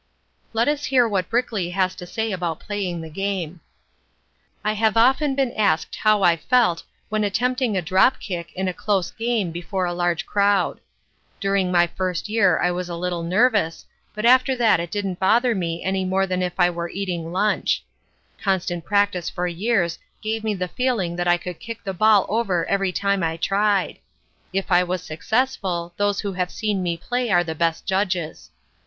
Let us hear what Brickley has to say about playing the game. "I have often been asked how I felt when attempting a drop kick in a close game before a large crowd. During my first year I was a little nervous, but after that it didn't bother me any more than as if I were eating lunch. Constant practice for years gave me the feeling that I could kick the ball over every time I tried. If I was successful, those who have seen me play are the best judges.